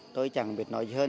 tôi chẳng biết nói gì hơn